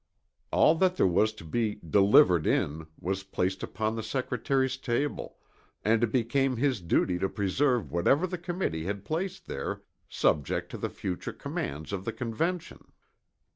All that there was to be "delivered in," was placed upon the Secretary's table, and it became his duty to preserve whatever the Committee had placed there subject to the future commands of the Convention.